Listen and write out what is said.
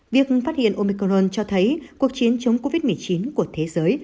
việc phát hiện omicron cho thấy cuộc chiến chống covid một mươi chín của thế giới